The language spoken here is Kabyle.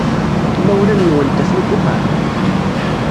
Imawlan-nwent atni deg uxxam?